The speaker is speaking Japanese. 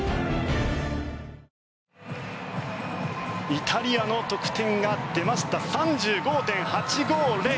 イタリアの得点が出ました３５．８５０。